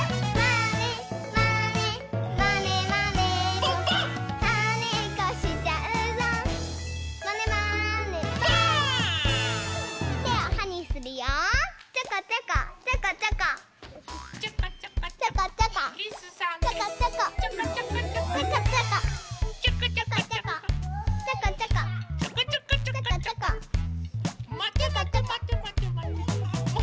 まてまてまてまてまて。